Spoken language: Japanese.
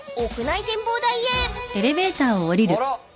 あら。